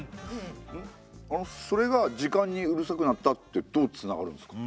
あのそれが時間にうるさくなったってどうつながるんですか？